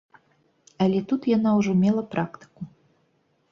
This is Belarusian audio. Але тут яна ўжо мела практыку.